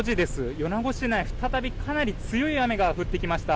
米子市内、再びかなり強い雨が降ってきました。